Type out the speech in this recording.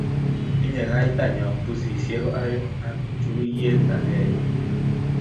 tinyei kaita nyo pusisiek oeng' ak chukuyiet agenge